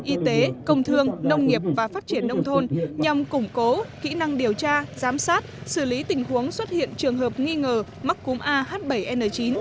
y tế công thương nông nghiệp và phát triển nông thôn nhằm củng cố kỹ năng điều tra giám sát xử lý tình huống xuất hiện trường hợp nghi ngờ mắc cúm ah bảy n chín